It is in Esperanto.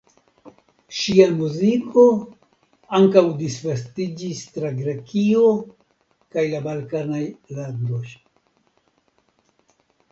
Ŝia muziko ankaŭ disvastiĝis tra Grekio kaj la balkanaj landoj.